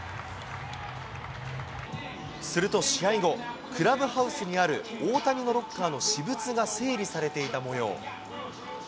すると試合後、クラブハウスにある大谷のロッカーの私物が整理されていたもよう。